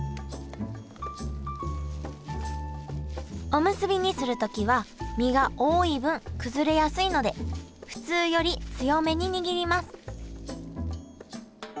おむすびにする時は身が多い分崩れやすいので普通より強めに握ります